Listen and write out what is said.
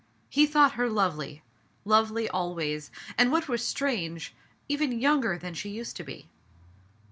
He thought her lovely lovely always, and what was strange, even younger than she used to be.